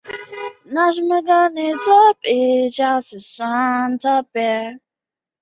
此电影实际拍摄场景为釜山的旧废校海事高中。